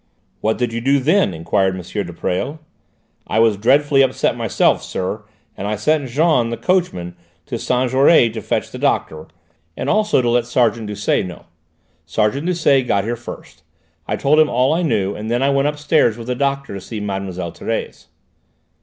"What did you do then?" enquired M. de Presles. "I was dreadfully upset myself, sir, and I sent Jean, the coachman, to Saint Jaury to fetch the doctor and also to let Sergeant Doucet know. Sergeant Doucet got here first; I told him all I knew, and then I went upstairs with the doctor to see Mlle. Thérèse."